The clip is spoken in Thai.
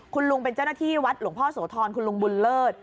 คุณลุงเป็นเจ้าหน้าที่วัดหลวงพ่อโสธรคุณลุงบุญเลิศ